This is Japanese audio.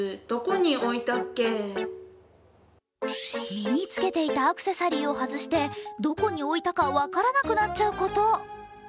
身に着けていたアクセサリーを外してどこに置いたか分からなくなっちゃうこと。